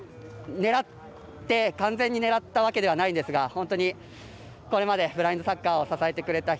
完全に狙ったわけではないんですが本当に、これまでブラインドサッカーを支えてくれた人